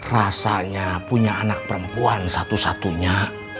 rasanya punya anak perempuan satu satunya